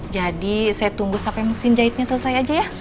jadi saya tunggu sampai mesin jahitnya selesai aja ya